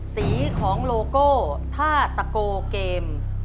สีของโลโก้ท่าตะโกเกมส์